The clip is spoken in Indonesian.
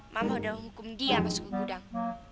mama sudah menghukum dia masuk ke gudang